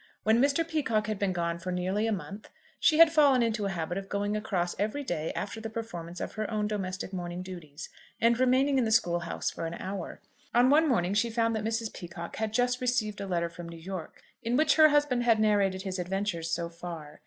When Mr. Peacocke had been gone for nearly a month she had fallen into a habit of going across every day after the performance of her own domestic morning duties, and remaining in the school house for an hour. On one morning she found that Mrs. Peacocke had just received a letter from New York, in which her husband had narrated his adventures so far.